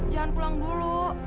jangan pulang dulu